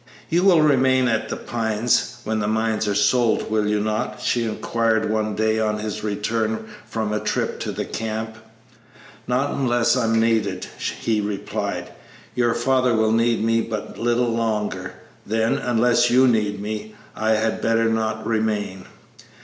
"You will remain at The Pines when the mines are sold, will you not?" she inquired one day on his return from a trip to the camp. "Not unless I am needed," he replied; "your father will need me but little longer; then, unless you need me, I had better not remain."